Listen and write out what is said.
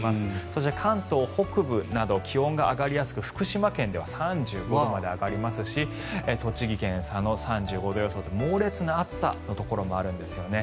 そして関東北部など気温が上がりやすく福島県では３５度まで上がりますし栃木県佐野、３５度予想と猛烈な暑さのところもあるんですよね。